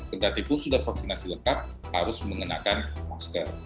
kendaki pun sudah vaksinasi lekat harus mengenakan masker